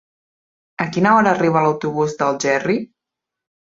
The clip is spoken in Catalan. A quina hora arriba l'autobús d'Algerri?